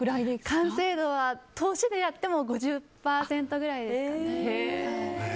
完成度は、通しでやっても５０％くらいですかね。